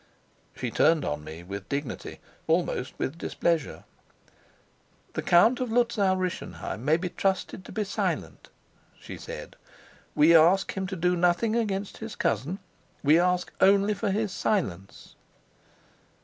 She turned on me with dignity, almost with displeasure. "The Count of Luzau Rischenheim may be trusted to be silent," she said. "We ask him to do nothing against his cousin. We ask only his silence."